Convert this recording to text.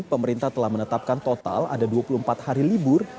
pemerintah telah menetapkan total ada dua puluh empat hari libur